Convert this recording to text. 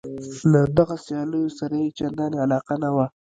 له دغو سیالیو سره یې چندانې علاقه نه وه.